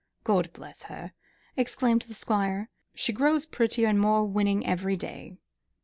"God bless her!" exclaimed the Squire; "she grows prettier and more winning every day."